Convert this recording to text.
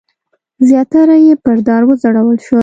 زیاتره یې پر دار وځړول شول.